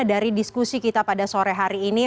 dari diskusi kita pada sore hari ini